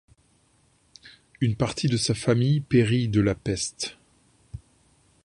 Une partie de sa famille périt de la peste.